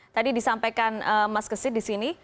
tadi disampaikan mas kesih disini